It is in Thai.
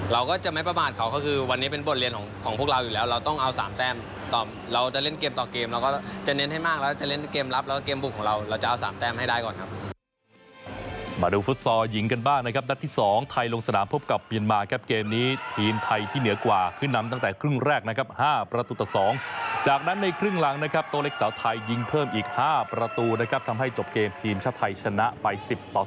เราก็จะไม่ประมาณเขาก็คือวันนี้เป็นบทเรียนของพวกเราอยู่แล้วเราต้องเอา๓แต้มต่อเราจะเล่นเกมต่อเกมเราก็จะเน้นให้มากแล้วจะเล่นเกมรับแล้วก็เกมบุกของเราเราจะเอา๓แต้มให้ได้ก่อนครับ